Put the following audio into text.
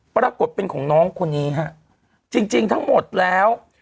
ปรากฏเป็นของน้องคนนี้ฮะจริงจริงทั้งหมดแล้ว